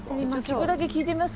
聞くだけ聞いてみます？